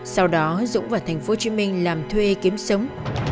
sau đó dũng và tp hcm làm thuê kiếm sống